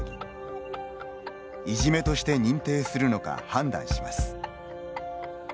いじめとして認定するのか判断します。